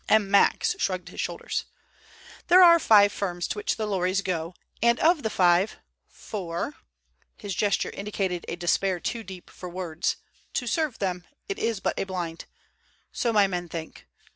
M. Max shrugged his shoulders. "There are five firms to which the lorries go, and of the five, four—" His gesture indicated a despair too deep for words. "To serve them, it is but a blind; so my men think.